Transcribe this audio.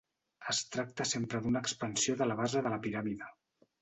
Es tracta sempre d'una expansió de la base de la piràmide.